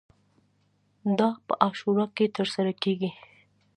دا په عاشورا کې ترسره کیږي.